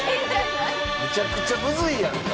むちゃくちゃむずいやんか。